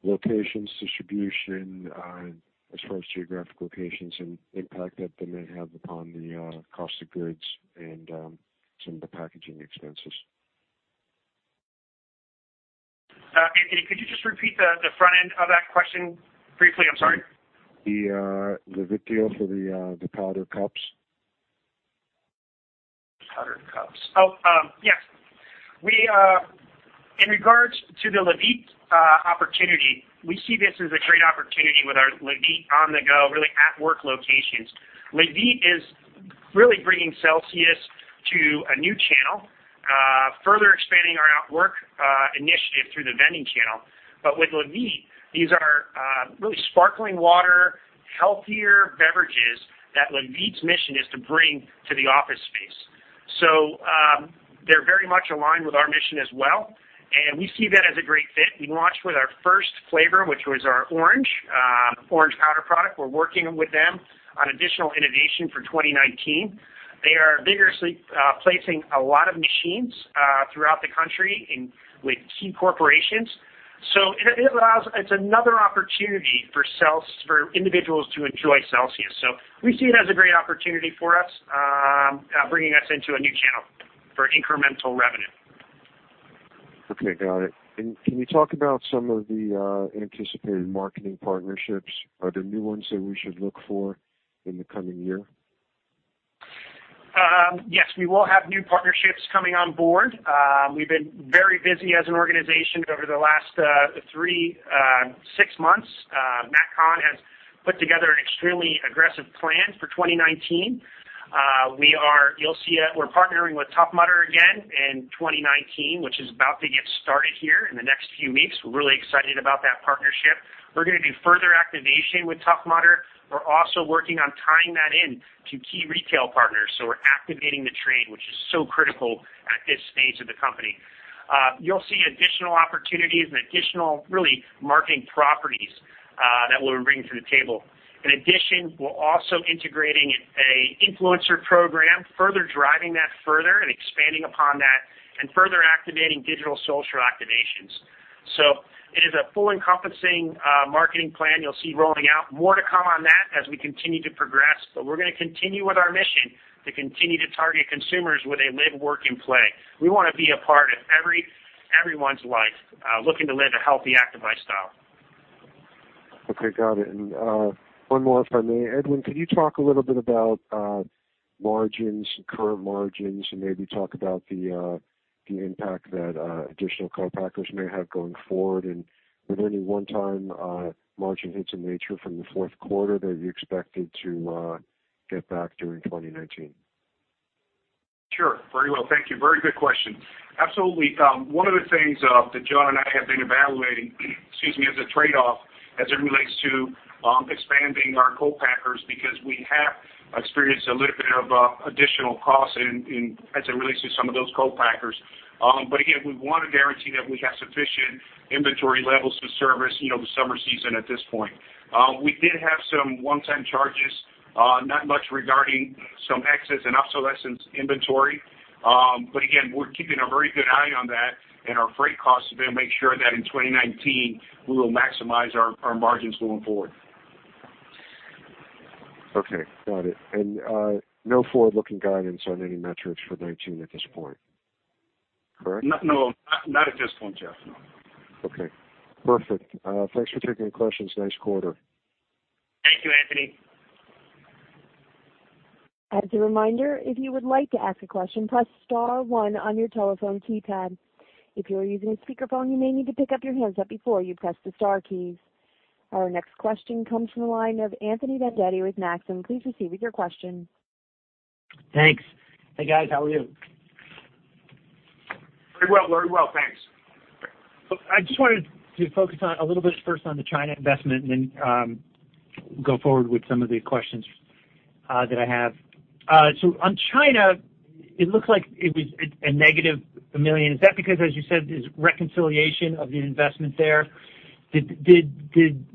locations, distribution, as far as geographic locations and impact that that may have upon the cost of goods and some of the packaging expenses? Anthony, could you just repeat the front end of that question briefly? I'm sorry. The Lavit deal for the powder cups. Powder cups. We In regards to the Lavit opportunity, we see this as a great opportunity with our Lavit on-the-go, really at work locations. Lavit is really bringing Celsius to a new channel, further expanding our at work initiative through the vending channel. With Lavit, these are really sparkling water, healthier beverages that Lavit's mission is to bring to the office space. They're very much aligned with our mission as well, and we see that as a great fit. We launched with our first flavor, which was our orange orange powder product. We're working with them on additional innovation for 2019. They are vigorously placing a lot of machines throughout the country with key corporations. It allows another opportunity for individuals to enjoy Celsius. We see it as a great opportunity for us, bringing us into a new channel for incremental revenue. Okay, got it. Can you talk about some of the anticipated marketing partnerships? Are there new ones that we should look for in the coming year? Yes. We will have new partnerships coming on board. We've been very busy as an organization over the last three, six months. Matt Kahn has put together an extremely aggressive plan for 2019. You'll see, we're partnering with Tough Mudder again in 2019, which is about to get started here in the next few weeks. We're really excited about that partnership. We're gonna do further activation with Tough Mudder. We're also working on tying that in to key retail partners, so we're activating the trade, which is so critical at this stage of the company. You'll see additional opportunities and additional really marketing properties that we'll bring to the table. In addition, we're also integrating a influencer program, further driving that further and expanding upon that and further activating digital social activations. It is a full encompassing marketing plan you'll see rolling out. More to come on that as we continue to progress, we're gonna continue with our mission to continue to target consumers where they live, work, and play. We wanna be a part of everyone's life, looking to live a healthy, active lifestyle. Okay, got it. One more, if I may. Edwin, can you talk a little bit about margins, current margins, and maybe talk about the impact that additional co-packers may have going forward? With any one-time margin hits in nature from the fourth quarter that you expected to get back during 2019. Sure. Very well. Thank you. Very good question. Absolutely. One of the things that John and I have been evaluating, excuse me, as a trade-off as it relates to expanding our co-packers because we have experienced a little bit of additional costs as it relates to some of those co-packers. Again, we wanna guarantee that we have sufficient inventory levels to service, you know, the summer season at this point. We did have some one-time charges, not much regarding some excess and obsolescence inventory. Again, we're keeping a very good eye on that and our freight costs to be able to make sure that in 2019 we will maximize our margins going forward. Okay, got it. No forward-looking guidance on any metrics for 2019 at this point. Correct? No, not at this point, Jeff, no. Okay, perfect. Thanks for taking the questions. Nice quarter. Thank you, Anthony. As a reminder, if you would like to ask a question, press star one on your telephone keypad. If you are using a speakerphone, you may need to pick up your handset before you press the star keys. Our next question comes from the line of Anthony Vendetti with Maxim. Please proceed with your question. Thanks. Hey, guys. How are you? Very well. Very well, thanks. I just wanted to focus on a little bit first on the China investment and then go forward with some of the questions that I have. On China, it looks like it was a -$1 million. Is that because, as you said, is reconciliation of the investment there? Did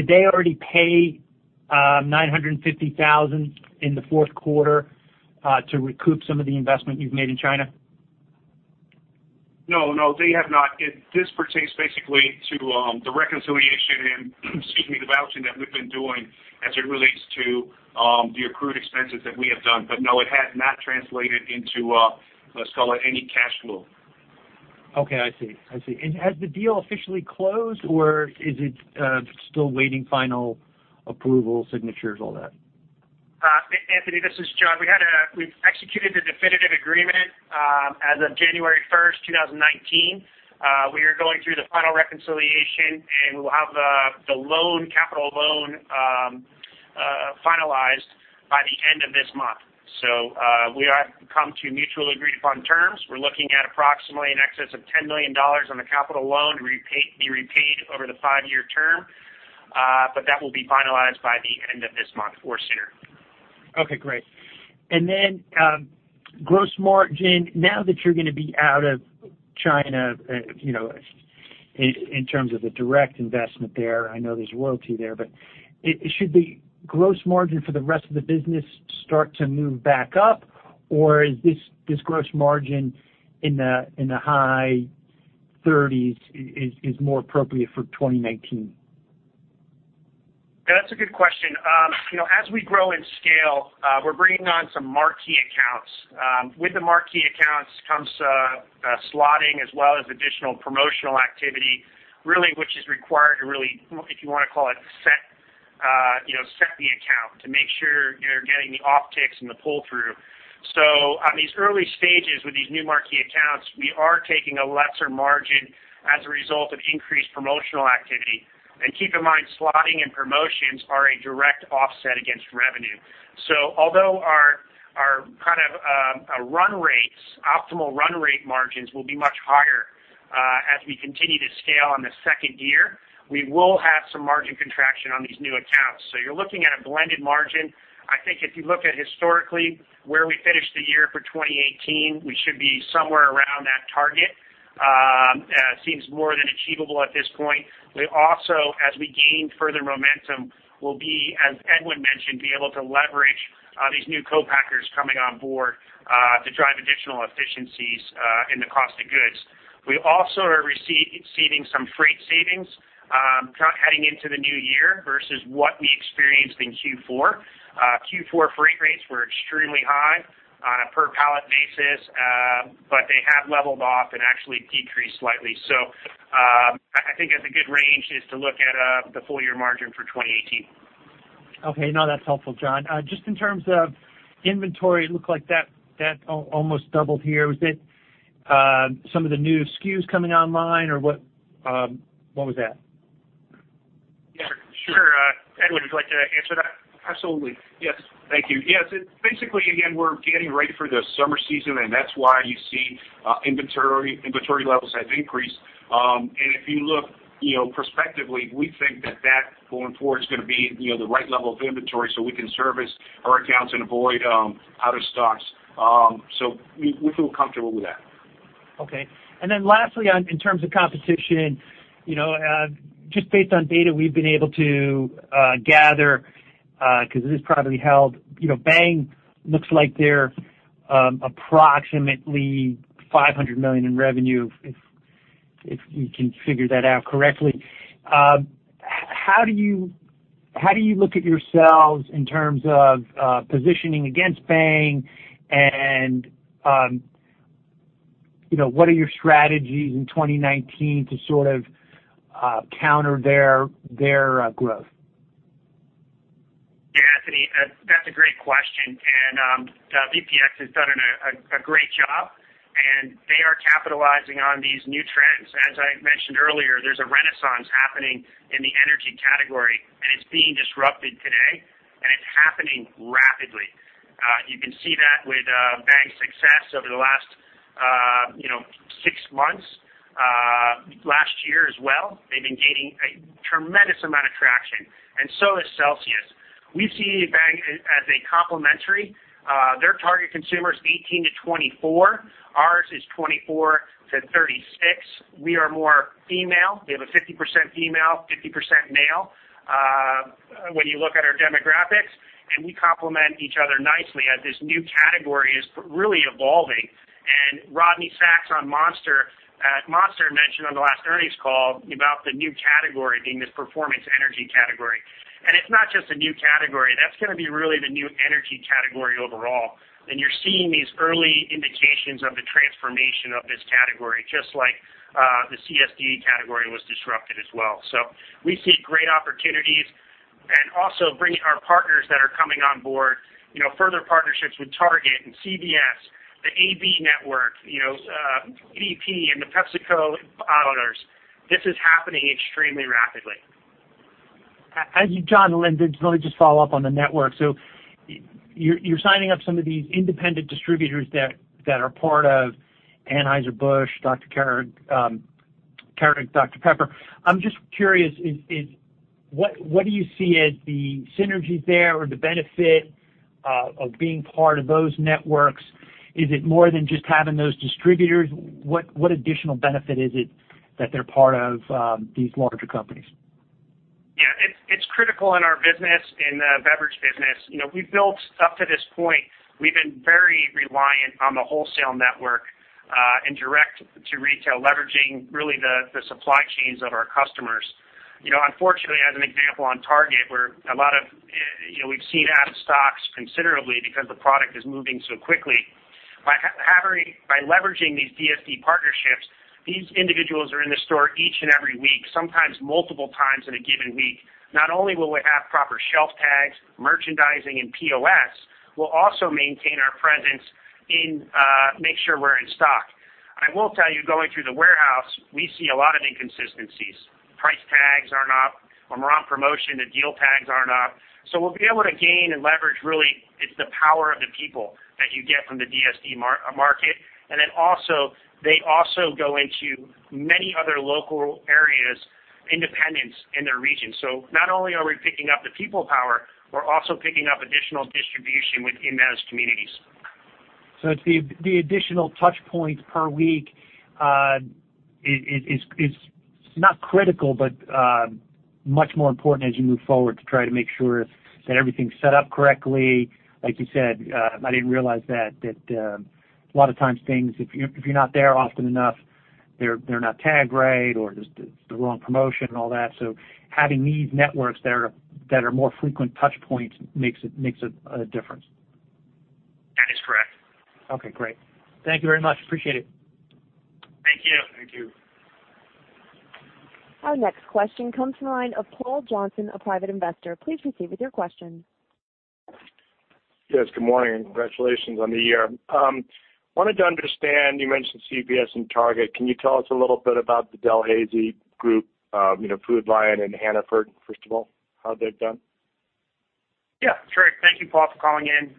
they already pay $950,000 in the fourth quarter to recoup some of the investment you've made in China? No, no, they have not. This pertains basically to the reconciliation and, excuse me, the vouching that we've been doing as it relates to the accrued expenses that we have done. No, it has not translated into let's call it any cash flow. Okay, I see. I see. Has the deal officially closed, or is it still waiting final approval, signatures, all that? Anthony, this is John. We've executed the definitive agreement as of January 1st, 2019. We are going through the final reconciliation, and we'll have the loan, capital loan, finalized by the end of this month. We come to mutually agreed upon terms. We're looking at approximately in excess of $10 million on the capital loan be repaid over the five-year term, but that will be finalized by the end of this month or sooner. Okay, great. Gross margin, now that you're going to be out of China, you know, in terms of the direct investment there, I know there's royalty there. Should the gross margin for the rest of the business start to move back up, or is this gross margin in the high thirties is more appropriate for 2019? That's a good question. You know, as we grow in scale, we're bringing on some marquee accounts. With the marquee accounts comes slotting as well as additional promotional activity, really, which is required to really, if you wanna call it set, you know, set the account to make sure you're getting the optics and the pull-through. On these early stages with these new marquee accounts, we are taking a lesser margin as a result of increased promotional activity. Keep in mind, slotting and promotions are a direct offset against revenue. Although our kind of, run rates, optimal run rate margins will be much higher, as we continue to scale on the second year, we will have some margin contraction on these new accounts. You're looking at a blended margin. I think if you look at historically where we finished the year for 2018, we should be somewhere around that target. It seems more than achievable at this point. We also, as we gain further momentum, will be, as Edwin mentioned, be able to leverage these new co-packers coming on board to drive additional efficiencies in the cost of goods. We also are receiving some freight savings heading into the new year versus what we experienced in Q4. Q4 freight rates were extremely high on a per pallet basis, they have leveled off and actually decreased slightly. I think that's a good range is to look at the full year margin for 2018. Okay. No, that's helpful, John. Just in terms of inventory, it looked like that almost doubled here. Was it some of the new SKUs coming online, or what was that? Yeah, sure. Edwin, would you like to answer that? Absolutely, yes. Thank you. Yes, it's basically, again, we're getting ready for the summer season, and that's why you see inventory levels have increased. If you look, you know, prospectively, we think that that going forward is gonna be, you know, the right level of inventory, so we can service our accounts and avoid out of stocks. We feel comfortable with that. Okay. Lastly, in terms of competition, you know, just based on data we've been able to gather, 'cause it is privately held, you know, Bang looks like they're approximately $500 million in revenue if you can figure that out correctly. How do you look at yourselves in terms of positioning against Bang? You know, what are your strategies in 2019 to sort of counter their growth? Yeah, Anthony, that's a great question. VPX has done a great job, and they are capitalizing on these new trends. As I mentioned earlier, there's a renaissance happening in the energy category, and it's being disrupted today, and it's happening rapidly. You can see that with Bang's success over the last, you know, 6 months, last year as well. They've been gaining a tremendous amount of traction, and so is Celsius. We see Bang as a complementary. Their target consumer is 18-24, ours is 24-36. We are more female. We have a 50% female, 50% male, when you look at our demographics, and we complement each other nicely as this new category is really evolving. Rodney Sacks on Monster mentioned on the last earnings call about the new category being this performance energy category. It's not just a new category. That's gonna be really the new energy category overall, and you're seeing these early indications of the transformation of this category, just like the CSD category was disrupted as well. We see great opportunities and also bringing our partners that are coming on board, you know, further partnerships with Target and CVS, the AB network, you know, [PP] and the PepsiCo bottlers. This is happening extremely rapidly. John, let me just follow up on the network. You're signing up some of these independent distributors that are part of Anheuser-Busch, Keurig Dr Pepper. I'm just curious, what do you see as the synergies there or the benefit of being part of those networks? Is it more than just having those distributors? What additional benefit is it that they're part of these larger companies? Yeah, it's critical in our business, in the beverage business. You know, we've built up to this point. We've been very reliant on the wholesale network and direct to retail, leveraging really the supply chains of our customers. You know, unfortunately, as an example, on Target, we're a lot of, you know, we've seen out of stocks considerably because the product is moving so quickly. By leveraging these DSD partnerships, these individuals are in the store each and every week, sometimes multiple times in a given week. Not only will we have proper shelf tags, merchandising, and POS, we'll also maintain our presence in, make sure we're in stock. I will tell you, going through the warehouse, we see a lot of inconsistencies. When we're on promotion, the deal tags aren't up. We'll be able to gain and leverage really it's the power of the people that you get from the DSD market. Also, they also go into many other local areas, independents in their region. Not only are we picking up the people power, we're also picking up additional distribution within those communities. It's the additional touchpoints per week, is not critical, but much more important as you move forward to try to make sure that everything's set up correctly. Like you said, I didn't realize that a lot of times things, if you're not there often enough, they're not tagged right or just it's the wrong promotion and all that. Having these networks that are more frequent touchpoints makes a difference. That is correct. Okay, great. Thank you very much. Appreciate it. Thank you. Thank you. Our next question comes from the line of Paul Johnson, a private investor. Please proceed with your question. Yes, good morning. Congratulations on the year. Wanted to understand, you mentioned CVS and Target. Can you tell us a little bit about the Delhaize Group, you know, Food Lion and Hannaford, first of all, how they've done? Yeah, sure. Thank you, Paul, for calling in.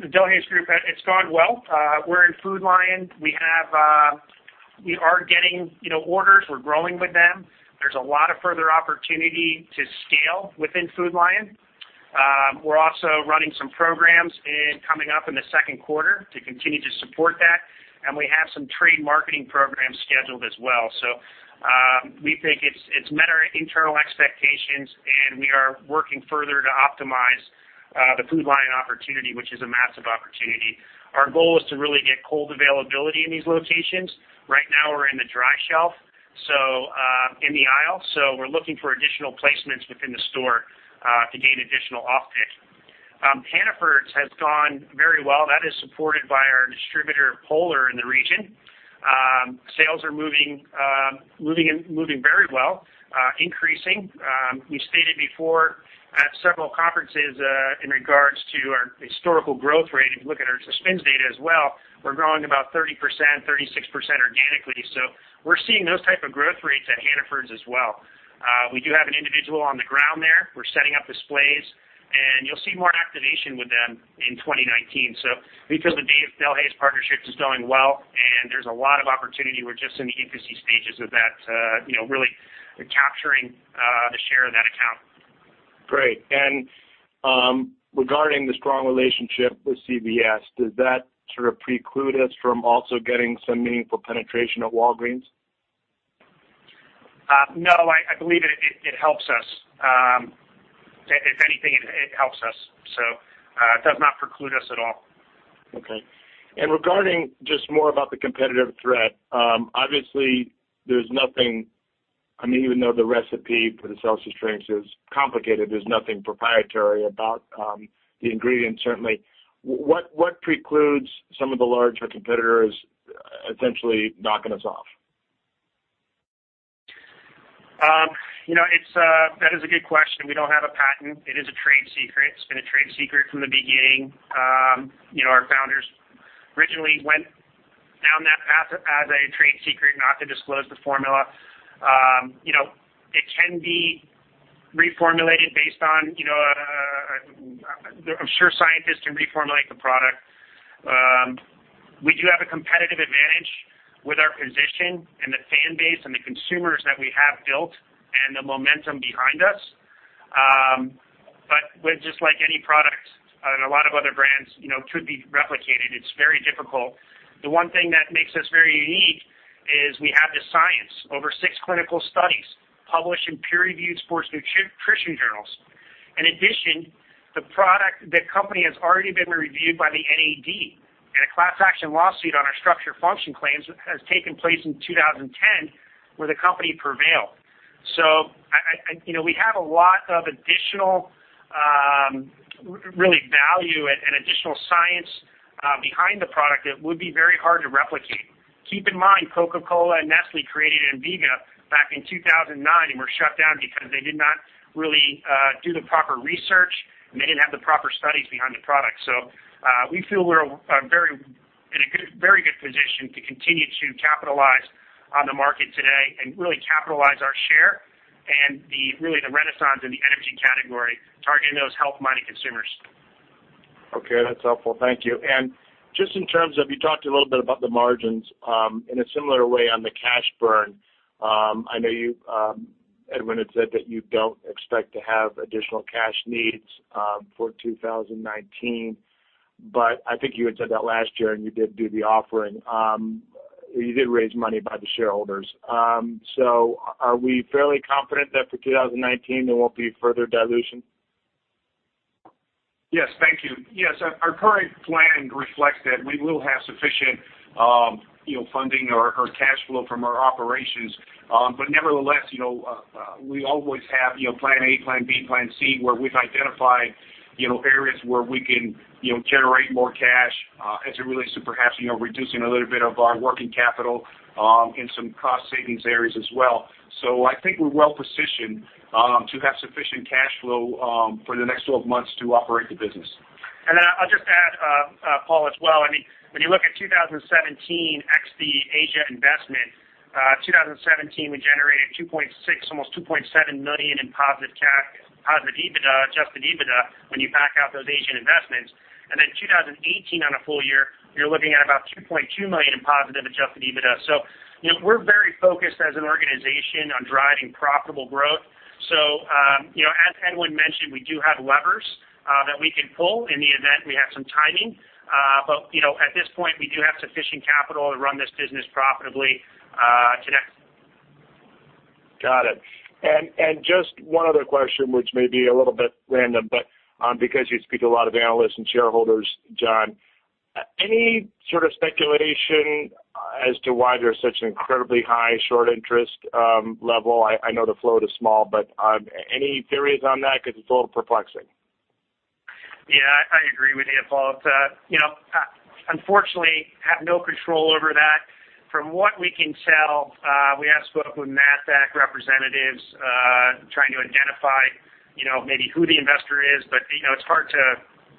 The Delhaize Group, it's gone well. We're in Food Lion. We have, we are getting, you know, orders. We're growing with them. There's a lot of further opportunity to scale within Food Lion. We're also running some programs coming up in the second quarter to continue to support that, and we have some trade marketing programs scheduled as well. We think it's met our internal expectations, and we are working further to optimize the Food Lion opportunity, which is a massive opportunity. Our goal is to really get cold availability in these locations. Right now, we're in the dry shelf, so, in the aisle. We're looking for additional placements within the store to gain additional optic. Hannaford has gone very well. That is supported by our distributor, Polar, in the region. Sales are moving very well, increasing. We stated before at several conferences in regards to our historical growth rate, if you look at our SPINS data as well, we're growing about 30%, 36% organically. We're seeing those type of growth rates at Hannaford as well. We do have an individual on the ground there. We're setting up displays, and you'll see more activation with them in 2019. We feel the Delhaize partnership is going well, and there's a lot of opportunity. We're just in the infancy stages of that, you know, really capturing the share of that account. Great. Regarding the strong relationship with CVS, does that sort of preclude us from also getting some meaningful penetration at Walgreens? No, I believe it helps us. If anything, it helps us. It does not preclude us at all. Okay. Regarding just more about the competitive threat, obviously, there's nothing. I mean, even though the recipe for the Celsius drinks is complicated, there's nothing proprietary about the ingredients certainly. What precludes some of the larger competitors essentially knocking us off? You know, that is a good question. We don't have a patent. It is a trade secret. It's been a trade secret from the beginning. You know, our founders originally went down that path as a trade secret not to disclose the formula. You know, it can be reformulated based on, you know, I'm sure scientists can reformulate the product. We do have a competitive advantage with our position and the fan base and the consumers that we have built and the momentum behind us. With just like any product and a lot of other brands, you know, could be replicated, it's very difficult. The one thing that makes us very unique is we have the science, over six clinical studies published in peer-reviewed sports nutrition journals. In addition, the company has already been reviewed by the NAD, and a class action lawsuit on our structure function claims has taken place in 2010, where the company prevailed. You know, we have a lot of additional value and additional science behind the product that would be very hard to replicate. Keep in mind, Coca-Cola and Nestlé created Enviga back in 2009 and were shut down because they did not really do the proper research, and they didn't have the proper studies behind the product. We feel we're in a very good position to continue to capitalize on the market today and capitalize our share and the renaissance in the energy category, targeting those health-minded consumers. Okay, that's helpful. Thank you. Just in terms of, you talked a little bit about the margins, in a similar way on the cash burn. I know you, Edwin had said that you don't expect to have additional cash needs, for 2019, but I think you had said that last year, and you did do the offering. You did raise money by the shareholders. Are we fairly confident that for 2019, there won't be further dilution? Yes, thank you. Yes, our current plan reflects that we will have sufficient, you know, funding or cash flow from our operations. Nevertheless, you know, we always have, you know, plan A, plan B, plan C, where we've identified, you know, areas where we can, you know, generate more cash as it relates to perhaps, you know, reducing a little bit of our working capital in some cost savings areas as well. I think we're well-positioned to have sufficient cash flow for the next 12 months to operate the business. I'll just add, Paul as well. I mean, when you look at 2017 ex the Asia investment, 2017, we generated $2.6 million, almost $2.7 million in positive EBITDA, adjusted EBITDA when you back out those Asian investments. 2018 on a full year, you're looking at about $3.2 million in positive adjusted EBITDA. You know, we're very focused as an organization on driving profitable growth. You know, as Edwin mentioned, we do have levers that we can pull in the event we have some timing. You know, at this point, we do have sufficient capital to run this business profitably to next. Got it. Just one other question which may be a little bit random, but because you speak to a lot of analysts and shareholders, John, any sort of speculation as to why there's such an incredibly high short interest level? I know the float is small, but any theories on that? It's a little perplexing. Yeah, I agree with you, Paul. You know, unfortunately, have no control over that. From what we can tell, we have spoke with NASDAQ representatives, trying to identify, you know, maybe who the investor is, but, you know, it's hard to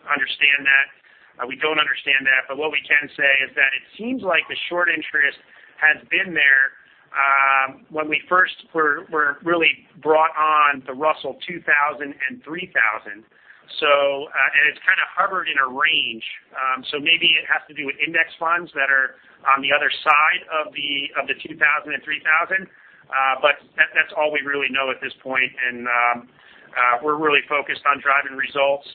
understand that. We don't understand that. What we can say is that it seems like the short interest has been there, when we first were really brought on to Russell 2000 and 3000. It's kind of hovered in a range. Maybe it has to do with index funds that are on the other side of the, of the 2000 and 3000. That's all we really know at this point. We're really focused on driving results.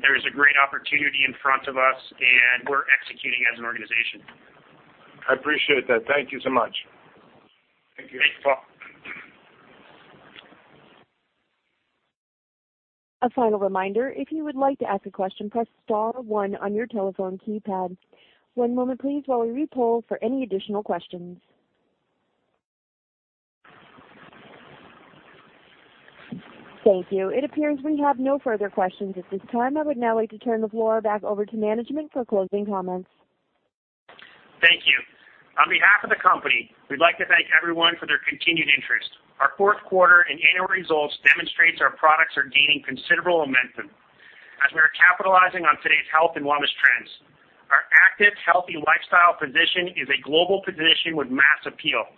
There is a great opportunity in front of us, and we're executing as an organization. I appreciate that. Thank you so much. Thank you. Thanks, Paul. A final reminder, if you would like to ask a question, press star one on your telephone keypad. One moment please while we re-poll for any additional questions. Thank you. It appears we have no further questions at this time. I would now like to turn the floor back over to management for closing comments. Thank you. On behalf of the company, we'd like to thank everyone for their continued interest. Our fourth quarter and annual results demonstrates our products are gaining considerable momentum as we are capitalizing on today's health and wellness trends. Our active, healthy lifestyle position is a global position with mass appeal.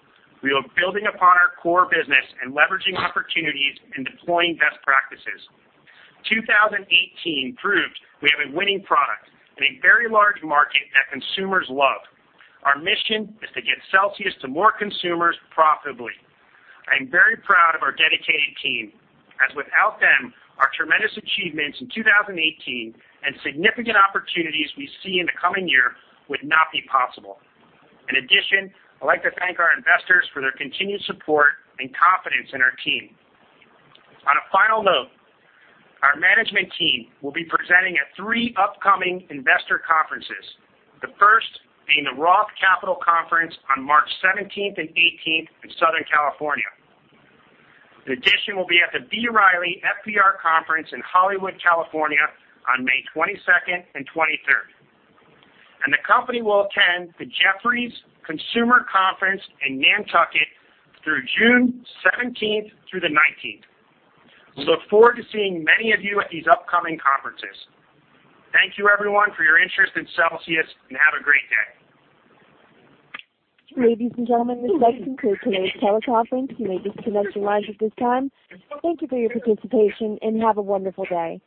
We are building upon our core business and leveraging opportunities and deploying best practices. 2018 proves we have a winning product in a very large market that consumers love. Our mission is to get Celsius to more consumers profitably. I am very proud of our dedicated team, as without them, our tremendous achievements in 2018 and significant opportunities we see in the coming year would not be possible. In addition, I'd like to thank our investors for their continued support and confidence in our team. On a final note, our management team will be presenting at three upcoming investor conferences, the first being the Roth Capital Conference on March 17th and 18th in Southern California. In addition, we'll be at the B. Riley FBR Conference in Hollywood, California on May 22nd and 23rd. The company will attend the Jefferies Consumer Conference in Nantucket through June 17th through the 19th. We look forward to seeing many of you at these upcoming conferences. Thank you everyone for your interest in Celsius, and have a great day. Ladies and gentlemen, this concludes today's teleconference. You may disconnect your lines at this time. Thank you for your participation, and have a wonderful day.